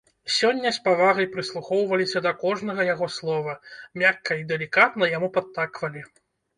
Сёння з павагай прыслухоўваліся да кожнага яго слова, мякка і далікатна яму падтаквалі.